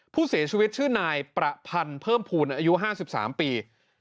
ผู้เสียชีวิตชื่อนายประพันธ์เพิ่มภูมิอายุ๕๓ปี